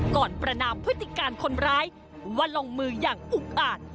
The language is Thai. ก่อนปรนามพติการคนร้ายว่าลองมืออย่างอุ่งอาด